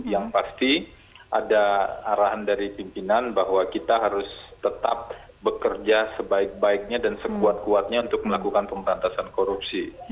yang pasti ada arahan dari pimpinan bahwa kita harus tetap bekerja sebaik baiknya dan sekuat kuatnya untuk melakukan pemberantasan korupsi